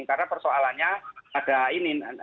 karena persoalannya ada ini